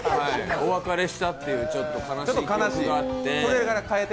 お別れしたという悲しい記憶があって。